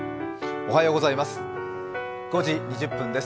おはようございます。